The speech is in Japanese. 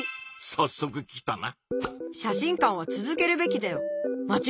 さっそく来たな。